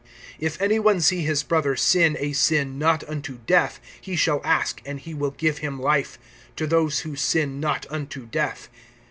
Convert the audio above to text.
(16)If any one see his brother sin a sin not unto death, he shall ask, and he will give him life, to those who sin not unto death.